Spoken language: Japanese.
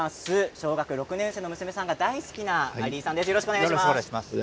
小学６年生の娘さんが大好きな有井雅裕さんです。